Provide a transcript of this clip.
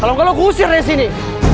kalo engga lu gue usir dari sini